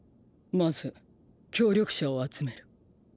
まず協力者を集める。